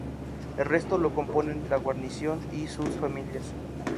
El resto lo componen la guarnición y sus familias.